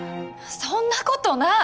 そんなことない。